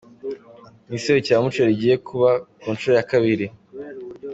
Ni iserukiramuco rigiye kuba ku nshuro ya kabiri .